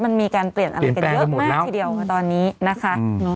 มันมีการเปลี่ยนอะไรกันเยอะมากทีเดียวตอนนี้นะคะ